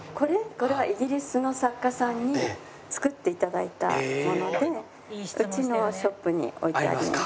これはイギリスの作家さんに作って頂いたものでうちのショップに置いてあります。